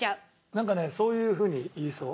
なんかねそういうふうに言いそう。